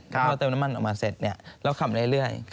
พอเติมน้ำมันออกมาเสร็จเราขับเรื่อย